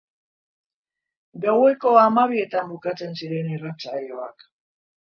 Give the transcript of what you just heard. Gaueko hamabietan bukatzen ziren irratsaioak.